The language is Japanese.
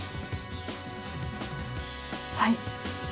はい。